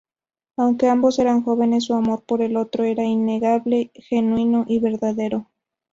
Aunque ambos eran jóvenes, su amor por el otro era innegable genuino y verdadero.